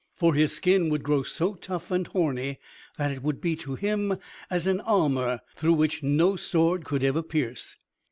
For his skin would grow so tough and horny that it would be to him as an armor through which no sword could ever pierce.